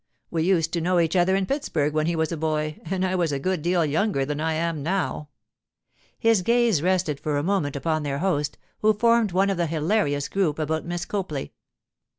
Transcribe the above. We used to know each other in Pittsburg when he was a boy and I was a good deal younger than I am now.' His gaze rested for a moment upon their host, who formed one of the hilarious group about Miss Copley.